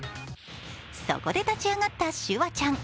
そこで立ち上がったシュワちゃん。